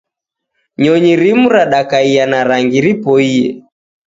Nyonyi rimu radakaiya na rangi ripoiye